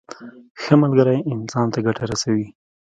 ښه ملګری انسان ته ګټه رسوي.